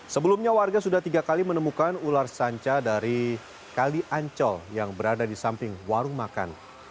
sebelumnya warga sudah tiga kali menemukan ular sanca dari kali ancol yang berada di samping warung makan